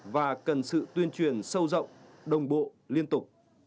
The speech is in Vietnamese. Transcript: và cần sự tuyên truyền sâu rộng đồng bộ liên tục